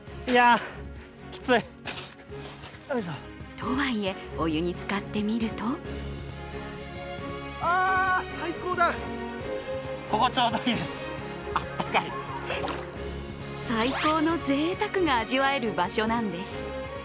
とはいえ、お湯につかってみると最高のぜいたくが味わえる場所なんです。